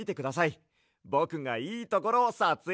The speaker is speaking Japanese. ぼくがいいところをさつえいしますんで！